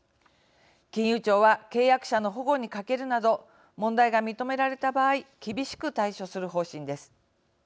金融庁は契約者の保護に欠けるなど問題が認められた場合厳しく対処する方針です。